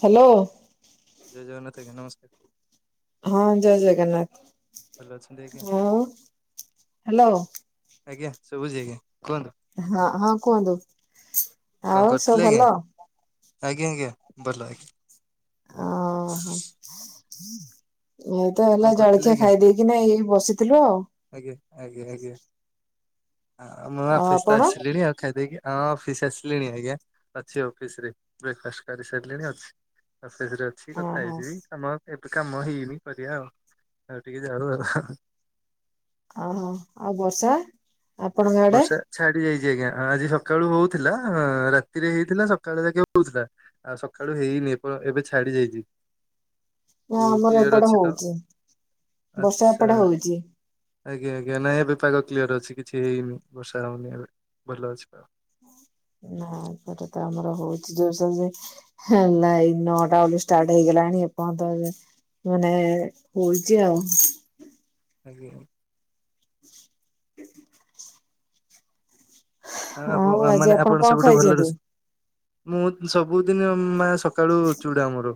Hello. ଜୟ ଜଗନ୍ନାଥ ଆଜ୍ଞା ନମସ୍କାର୍। ହଁ ଜୟ ଜଗନ୍ନାଥ୍। ଭଲ ଅଛନ୍ତି ଆଜ୍ଞା ହ୍ୟାଲୋ -ଆଜ୍ଞା ଶୁବୁଚି ଆଜ୍ଞା କୁହନ୍ତୁ। ହଁ -ହଁ କୁହନ୍ତୁ। ଆଉ କଣ ସବୁ କରିଥିଲି ଭଲ ଆଜ୍ଞା -ଆଜ୍ଞା -ଆଜ୍ଞା ଭଲ ଆ ଓ ହୋ। ତ କଣ ଏଇନା କରୁଥିଲେ ଜଳଖିଆ ଆଜ୍ଞା ଖାଇ ଦେଇକିନା ଏଇ ବସିଥିଲୁ ଆଉ। ଆଜ୍ଞା- ଆଜ୍ଞା- ଆଜ୍ଞା ମୁଁ ଆଉ ଅଫିସ୍ ତ ଆପଣ ଆସିଲିଣି ଆଉ ଖାଇଦେଇକି। ହଁ ଅଫିସ୍ ଆସିଲିଣି ଆଜ୍ଞା ଅଛି ଅଫିସ୍ ରେ ବ୍ରେକଫାଷ୍ଟ୍ କରିସାରିଲିଣି ଅଛି। ଅଫିସ୍ ରେ ଅଛି। କିଛି କଥା ଓହୋ ହେଇଯିବି ଆମ ଏବେ କାମ ହେଇନି କରିବା ଆଉ- ଆଉ ଟିକେ ଯାଉ ଆଉ। ଅହୋ ଆଉ ବର୍ଷା? ଆପଣଙ୍କ ଆଡେ? ବର୍ଷା ଛାଡି ଯାଇଚି ଆଜ୍ଞା ଆଜି ସକାଳୁ ହଉଥିଲା ରାତିରେ ହେଇଥିଲା ସକାଳ ଯାକେ ହଉଥିଲା ଆଉ ସକାଳୁ ହେଇନି ଏପ- ଏବେ ଛାଡି ଯାଇଚି। ନା ଆମର ଏପଟେ ତ ହଉଚି ବର୍ଷା ଆଚ୍ଛା ଏପଟେ ହଉଚି। ଆଜ୍ଞା -ଆଜ୍ଞା ନାଇଁ ଏବେ ପାଗ କ୍ଲିୟର ଅଛି କିଛି ହେଇନି ବର୍ଷା ହଉନି ଏବେ ଭଲ ଅଛି ଆଉ। ନା ସେଟେ ତ ଆମର ହଉଚି [unintelligible] ହେଁ - ନାଇ ନଅଟା ବଳୁ ଷ୍ଟାର୍ଟ ହେଇଗଲାଣି ଏପର୍ଯ୍ୟନ୍ତ ମାନେ ହଉଚି ଆଉ। ଆଜ୍ଞା। ଆଉ ଆଜି ଆପଣ [unintelligible] କଣ ସବୁଠୁ ଭଲ ର ଖାଇଛନ୍ତି? ମୁଁ ସବୁଦିନ ମା ସକାଳୁ ଚୁଡା ମୁଡ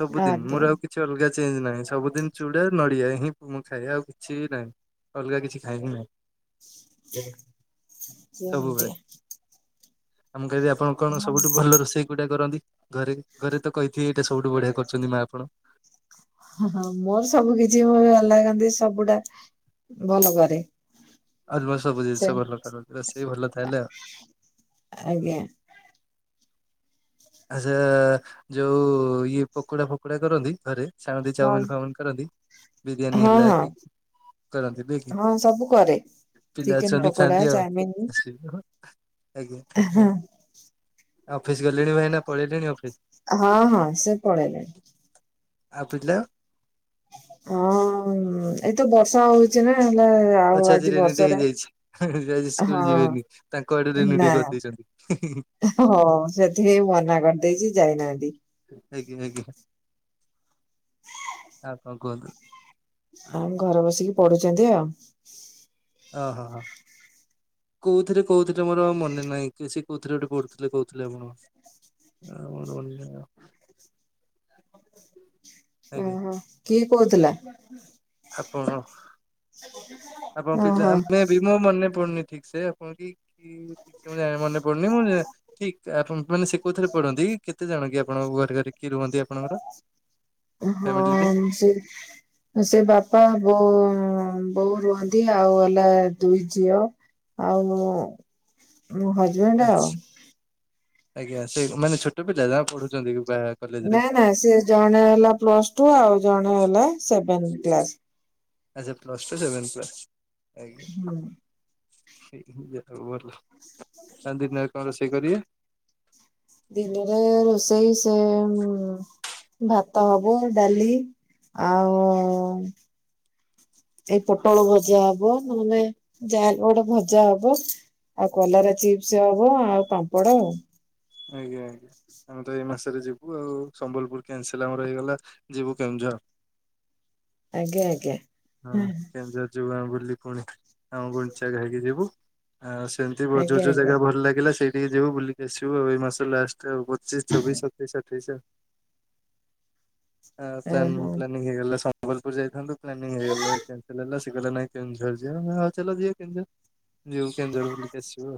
ସବୁଦିନ୍ ଆଜ୍ଞା ମୋର୍ ଆଉ କିଛି କିଛି ଅଲଗା ଚେଞ୍ଜ ନାହିଁ ସବୁଦିନ ଚୁଡା ନଡିଆ ହିଁ ମୁଁ ଖାଏ ଆଉ କିଛି ବି ନାହିଁ। ଅଲଗା କିଛି ଖାଏ ହିଁ ନାହିଁ। [inaudible] ସବୁବେଳେ ମୁଁ କହିବି ଆପଣ କଣ ହଁ ସବୁଠୁ ଭଲ ରୋଷେଇ କଉଟା କରନ୍ତି ଘରେ- ଘରେ ତ କହିଥିବେ ଏଇଟା ସବୁଠୁ ବଢିଆ କରିଚନ୍ତି ମା ଆପଣ। ହଁ ମୋର ସବୁ କିଛି ଭଲ ଲଗାନ୍ତି ସବୁଟା ଭଲ କରେ। ଆଉ ସବୁ ସେ ଜିନିଷ ଭଲ କର ସେ ଭଲ ତାହାଲେ ଆଉ। ଆଜ୍ଞା। ଆଚ୍ଛା ଯଉ ଇଏ ପକୋଡା ଫକୋଡା କରନ୍ତି ଘରେ? ଛାଣନ୍ତି ହଁ ଚାଉମିିନ୍ ଫାଉମିିନ୍ କରନ୍ତି ବିରିୟାନୀ ହଁ ହେଲା ହଁ କି କରନ୍ତି ନା କି ହଁ ସବୁ କରେ। ପିଲା ଚିକେନ ଅଛନ୍ତି ପକୋଡା ଖାଆନ୍ତିି ଆଉ। ଚାଉମିନ ଆଜ୍ଞା -ଆଜ୍ଞା ଅଫିସ୍ ଗଲେଣି ଭାଇନା ପଳେଇଲେଣି ଅଫିସ୍? ହଁ -ହଁ ସେ ପଳେଇଲେଣି। ଆଉ ପିଲା? ହଁ ଏଇତ ବର୍ଷା ହଉଚି ନା ହେଲା ଆଉ ଅଛି ଆଜି ରେନିଡେ ବର୍ଷାରେ ହେଇଯାଇଛି। ଆଜି ସ୍କୁଲ ହଁ- ଯିବେନି ତାଙ୍କ ଆଡୁ ଡିଲେଟେ କରିଦେଇଚନ୍ତି ହିଁ- ହିଁ- ହିଁ। ହିଁ -ହିଁ ହଁ ସେଥିପାଇଁ ମନା କରିଦେଇଚି ଯାଇନାହାନ୍ତି। ଆଜ୍ଞା- ଆଜ୍ଞା ଆଉ କଣ୍ କୁହନ୍ତୁ? ଆଉ ଘରେ ବସିକି ପଢୁଚନ୍ତି ଆଉ। ଓ -ହୋ -ହ। କଉଥିରେ କହୁଥିଲେ ମୋର ମନେ ନାହିଁ କି ସେ କଉଥିରେ ଗୋଟେ ପଢୁଥିଲେ କହୁଥିଲେ ଆପଣ। ଆଜ୍ଞା। ଓହୋ କିଏ କହୁଥିଲା? ଆପଣ ଆପଣ ପିଲା ଓହୋ। ଆମେ ବି ମୋ ମନେ ପଡୁନି ଠିକ ସେ। ଆପଣ କି- କି- ଠିକ ସେ ମୁଁ ଜା- ମନେ ପଡୁନି। ମୁଁ ଯେ ଠିକ ଯେ ଆପଣ ମାନେ ସେ କୋଉଥିରେ ପଢନ୍ତି? କେତେ ଜଣ କି ଆପଣଙ୍କ ଘରେ ଘରେ କିଏ ରୁହନ୍ତି ଆପଣଙ୍କର? ହଁ ଫ୍ୟାମିଲିରେ? ସେ ସେ ବାପା ବୋଉ ଉଁ, ବୋଉ ରୁହନ୍ତି ଆଉ ହେଲା ଦୁଇ ଝିଅ। ଆଉ ମୁଁ ମୋ ହଜ ଆଚ୍ଛା, ଆଜ୍ଞା ସେ ମାନେ ଛୋଟ ପିଲା ଯା ପଢୁଛନ୍ତି ବାହା ନା ନା ସିଏ ଜଣେ ହେଲା ପ୍ଲସ୍ ଟୁ, ଆଉ ଜଣେ ହେଲା ସେଭେନ୍ କ୍ଲାସ୍। ଆଚ୍ଛା ପ୍ଲସ୍ ଟୁ, ସେଭେନ୍ କ୍ଲାସ୍ ଆଜ୍ଞା ହୁଁ [unintelligible] ଭଲ ଆଉ ଦିନରେ କଣ ରୋଷେଇ କରିବେ? ଦିନରେ ରୋଷେଇ ସେ ଭାତ ହବ ଡାଲି ଆଉ ଏଇ ପୋଟଳ ଭଜା ହବ, ନହେନେ ଯାହା କି ଗୋଟେ ଭଜା ହବ। ଆଉ କଲରା ଚିପ୍ସ ହବ ଆଉ ପାମ୍ପଡ ଆଉ। ଆଜ୍ଞା, ଆଜ୍ଞା। ଆମେ ତ ଏଇ ମାସରେ ଯିବୁ ଆଉ। ସମ୍ବଲପୁର କେନସଲ୍ ଆମର ହେଇଗଲା ଯିବୁ କେଉଁଝର। ଆଜ୍ଞା, ଆଜ୍ଞା। ହଁ କେଉଁଝର ଯିବୁ ଆମେ ବୁଲି ପୁଣି। ଆମ ଗୁଣ୍ଡିଚାଘାଗି ଯିବୁ। ଆଉ ସେମିତି ବ-ଯୋଉ ଆଜ୍ଞା ଯୋଉ ଆଜ୍ଞା ଜାଗା ଭଲ ଲାଗିଲା ସେଇଟିକି ଯିବୁ ବୁଲିକି ଆସିବୁ ଆଉ। ଏଇ ମାସ ଲାଷ୍ଟ ଆଉ [inaudible] ଚି ଛବିଶ, ସତେଇଶ, ଅଠେଇଶ ଆଉ। ଆ, ପ୍ଲାନ୍ ହଁ ପ୍ଲାନିଂ ହେଇଗଲା ସମ୍ବଲପୁର ଯାଇଥାନ୍ତୁ ପ୍ଲାନିଂ ହେଇଗଲା ଏ କ୍ୟାନସେଲ୍ ହେଲା। ସେ ସେ କହିଲା ନାଇଁ କେଉଁଝର ଯିବା ମୁଁ ହଉ ଚାଲ ଯିବା କେଉଁଝର। ଯିବୁ କେଉଁଝର ବୁଲି। ଆସିବ,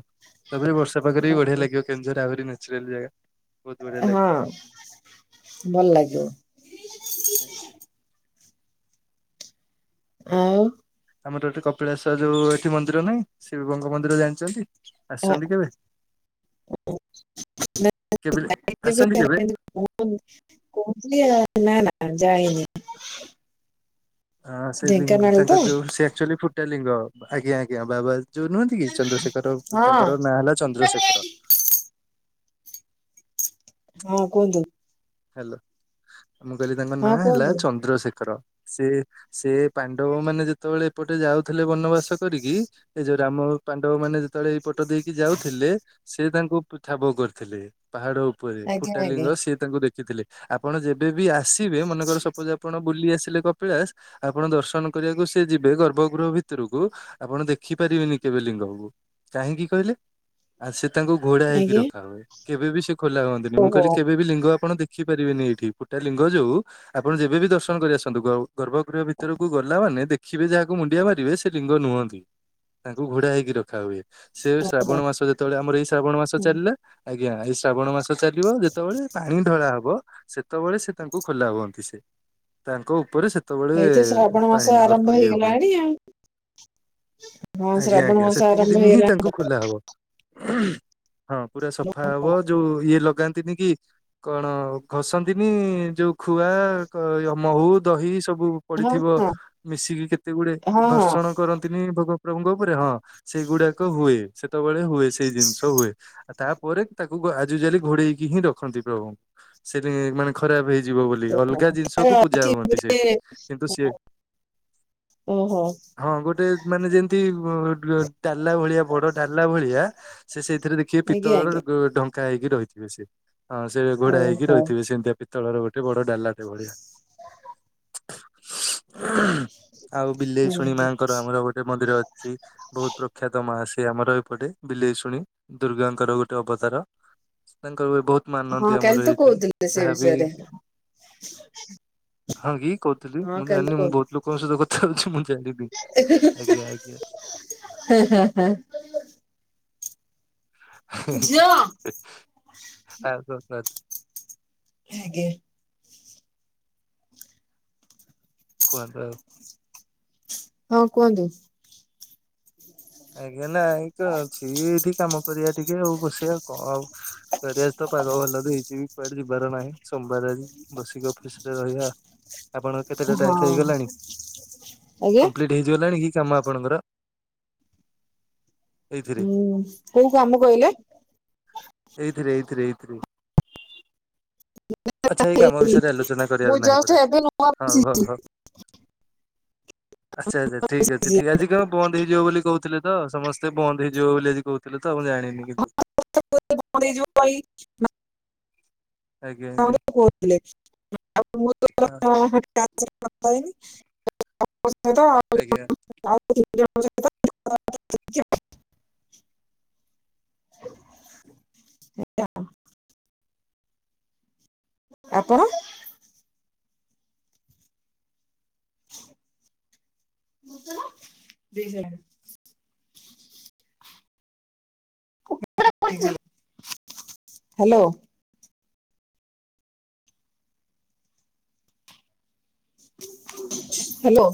ତାପରେ ବର୍ଷା ପାଗରେ ହଁ ବି ବଢିଆ ଲାଗିବ କେଉଁଝର ଆହୁରି ନେଚୁରାଲ୍ ଜାଗା। ବହୁତ ବଢିଆ ଏ ହଁ ଲାଗିବ। ଭଲ ଲାଗିବ। [inaudible] ଆଉ। ଆମର ଏଠି କପିଳାସ ଯୋଉ ଏଠି ମନ୍ଦିର ନାହିଁ, ଶିବିଙ୍କ ମନ୍ଦିର ଜାଣିଚନ୍ତି? ଆ- ଆସଛନ୍ତି କେବେ? କେବିଲେ ଆସଛନ୍ତି କେବେ? [inaudible] ମୁଁ କହୁଥିଲ ଆ, ନା ନା ଯାଇନି। ହଁ ସେ ଲିଙ୍ଗ୍ ଢେଙ୍କାନାଳ ତ ତାଙ୍କ ଯୋଉ ସେ ଆକ୍ଚୁଆଲି ଫୁଟା ଲିଙ୍ଗ। ଆଜ୍ଞା ଆଜ୍ଞା ବାବା ଯୋଉ ନୁହନ୍ତି କି ଚନ୍ଦ୍ରଶେଖର ହଁ ତାଙ୍କର ନାଁ ହେଲା ଚନ୍ଦ୍ରଶେଖର। ହଁ କୁହନ୍ତୁ। ହ୍ୟାଲୋ, ମୁଁ କହିଲି ତାଙ୍କ ହଁ ନାଁ ହେଲା କୁହନ୍ତୁ ଚନ୍ଦ୍ରଶେଖର। ସେ ସେ ପାଣ୍ଡବ ମାନେ ଯେତେବେଳେ ଏପଟେ ଯାଉଥିଲେ ବନବାସ କରିକି ଏଇ ଯୋଉ ରାମ ପାଣ୍ଡବମାନେ ଯେତେବେଳେ ଏଇପଟ ଦେଇକି ଯାଉଥିଲେ ସେ ତାଙ୍କୁ ପି- ଠାବ କରିଥିଲେ ପାହାଡ ଉପରେ। ଆଜ୍ଞା ଫୁଟା ଆଜ୍ଞା ଲିିଙ୍ଗ ସିଏ ତାଙ୍କୁ ଦେ ଖିଥିଲେ ଆପଣ ଯେବେ ବି ଆସିବେ ମନେକର ସପୋଜ୍ ଆପଣ ବୁଲି ଆସିଲେ କପ ପିଳାସ ଆପଣ ଦର୍ଶନ କରିଆକୁ ସେ ଯିବେ ଗର୍ଭ ଗୃହ ଭିତରୁକୁ। ଆପଣ ଦେଖି ପାରିବେନି କେବେ ଲିଙ୍ଗକୁ। କାହିଁକି କହିଲେ? ଆଉ ସିଏ ତାଙ୍କୁ ଘୋଡା ହେଇକି ଆଜ୍ଞା ରଖା ହୁଏ, କେବେ ବିି ସେ ଖୋଲା ହୁଅନ୍ତିନି। ମୁଁ ଓହୋ କହିଲି କେବେ ବିି ଲିଙ୍ଗ ଆପଣ ଦେ ଖିପାରିବେନି ଏଇଠି। ଫୁଟାଲିଙ୍ଗ ଯୋଉ ଆପଣ ଯେବେ ବି ଦର୍ଶନ କରି ଆସନ୍ତୁ ଗ- ଗର୍ଭଗୃହ ଭିତରକୁ ଗଲା ମାନେ ଦେଖିବେ ଯାହାକୁ ମୁଣ୍ଡିଆ ମାରିବେ ସେ ଲିଙ୍ଗ ନୁହନ୍ତି, ତାଙ୍କୁ ଘୋଡ଼ା ହେଇକି ରଖା ହୁଏ। ସିଏ ଶ୍ରାବଣ ମାସ ଯେତେବେଳେ ଆମର ଏଇ ଶ୍ରାବଣ ମାସ ହୁଁ, ଚାଲିଲା ଆଜ୍ଞା, ଏଇ ଶ୍ରାବଣ ମାସ ଚାଲିବ ଯେତେବେଳେ ପାଣି ଢଳା ହ ବ ସେତେବେଳେ ସେ ତାଙ୍କୁ ଖୋଲା ହୁଅନ୍ତି ସେ। ତାଙ୍କ ଉପରେ ସେ ତବେଳେ ଏଇତ ଶ୍ରାବଣ ମାସ ପାଣି ନ ଅର୍ପ ଆରମ୍ଭ ଇଏ ହୁଏ। ହେଇଗଲାଣି ଆଉ ହଁ ଆଜ୍ଞା, ଶ୍ରାବଣ ଆଜ୍ଞା ମାସ ସେତିକି ଆରମ୍ଭ ଦିନି ହିଁ ହେଇଗଲାଣି ତାଙ୍କ କୁ ଖୋଲା ହବ, ହଁ ପୁରା ସଫା ହବ। ଯୋଉ ଇଏ ଲଗାନ୍ତିନି କି କଣ ଘଷନ୍ତିନି ଯୋଉ ଖୁଆ କ ମହୁ ଦହି ସବୁ। ହଁ ପଡିଥିବ ହଁ ମିଶିକି କେତେଗୁଡେ ହଁ ହଁ ଘର୍ଷଣ କରନ୍ତିନି ଭୋଗ। ପ୍ରଭୁଙ୍କ ଉପରେ ହଁ ସେଇଗୁଡାକ ହୁଏ ସେତେବେଳେ ହୁଏ ସେଇ ଜିନିଷ ହୁଏ। ଆଉ ତାପରେ ତାକୁ ଆଜୟୁଜାଲି ଘୋଡେଇକି ହିଁ ରଖନ୍ତି। ପ୍ରଭୁଙ୍କୁ ସେ ମାନେ ଖରାପ ହେଇଯିବ ବୋଲି ଅଲଗା ତାର ଜିନିଷକୁ ପୂଜା ଅଛି ହୁଅନ୍ତି। ଗୋଟେ ସେଇଠି କିନ୍ତୁ ସିଏ ଓହୋ। ହଁ ଗୋଟେ ମାନେ ଯେମିତି ଡ ଡାଲା ଭଳିଆ ବଡଡାଲା ଭଳିଆ। ସେ ସେଇଥିରେ ଦେଖିବେ ଆଜ୍ଞା ପିତ୍ତଳର ଆଜ୍ଞା ଢଙ୍କା ହେଇକି ରହିଥିବେ ସେ, ହଁ ସେ ଘୋଡା ଓହୋ ହେଇକି। ହୁଁ, ରହିଥିବେ ସେମିତିଆ ପିତ୍ତଳର ଗୋଟେ ବଡ ଡାଲାଟେ ଭଳିଆ। ଆଉ ବିଲେଇଶୁଣୀ ମା ଆଜ୍ଞା ଙ୍କର ଆମର ଗୋଟେ ମନ୍ଦିର ଅଛି। ବହୁତ ପ୍ରଖ୍ୟାତ ମା ସେ ଆମର ଏପଟେ ବିଲେଇଶୁଣୀ ଦୁର୍ଗାଙ୍କର ଗୋଟେ ଅବତାର। ତାଙ୍କର ବି ବହୁତ ହଁ ମାନନ୍ତି କାଲି ଆମର ତ ଏଇଠି କହୁଥିଲେ ସେ ଯାହାବି ବିଷୟରେ ହଁ କି କହୁଥିଲି ହଁ ମୁଁ କାଲି ତ ଜାଣିନି ମୁଁ କହୁ ବହୁତ ଲୋକଙ୍କ ସହିତ କଥା ହଉଛି ମୁଁ ଜାଣିନି ଆଜ୍ଞା ଆଜ୍ଞା। ହେ ହେ ହେ। ଝିଅ ଆଉ କଣ କୁହନ୍ତୁ? ଆଜ୍ଞା। କୁହନ୍ତୁ ଆଉ। ହଁ କୁହନ୍ତୁ? ଆଜ୍ଞା ନା ଏଇ କଣ ଅଛି ଏଇଠି କାମ କରିଆ ଟିକେ ଆଉ ବସିବାଉ କଣ ଆଉ କରିଆ ଆଜି ତ ପାଗ ଭଲ ଦେଇଚି ବି କୁଆଡେ ଯିବାର ନାହିଁ। ସୋମବାର ଆଜି ବସିକି ଅଫିସରେ ରହିବା। ଆପଣଙ୍କ କେତେଟା ହଁ ଟାକ୍ସ ହେଇଗଲାଣି? ଆଜ୍ଞା କମ୍ପ୍ଲିଟ ହେଇଗଲାଣି କି କାମ ଆପଣଙ୍କର? ଏଇଥିରେ? ଉଁ କୋଉ କାମ କହିଲେ? ଏଇଥିରେ ଏଇଥିରେ ଏଇଥିରେ। ଆଚ୍ଛା ଏଇ କାମ ବିଷୟରେ ଆଲୋଚନା ମୁଁ କରିଆର ନାହିଁ ଜଷ୍ଟ ପରା ଏବେ ନୂଆ ହଉ ବସିଛି ହଉ ହଉ। ଆଚ୍ଛା ଆଚ୍ଛା ଠିକ୍ ଅଛି ଠିକ୍ ଆଜି କଣ ବନ୍ଦ ହେଇଯିବ ବୋଲି କହୁ ଥିଲେ ତ ସମସ୍ତେ ବନ୍ଦ ହେଇଯିବ ବୋଲି ଆଜି କହୁଥିଲେ ତ ମୁଁ ଜାଣିନି କିନ୍ତୁ। ବନ୍ଦ ହେଇଯିବ କହି ଆଜ୍ଞା ଆଜ୍ଞା ହଁ ମୋତେ ହଁ କହୁଥିଲେ [unintelligible] [unintelligible] ଆଜ୍ଞା। [unintelligible] ଏଟା ଆପଣ? ଦେଇସାଇଲେ। ହ୍ୟାଲୋ। ହ୍ୟାଲୋ।